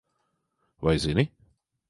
Vai zini?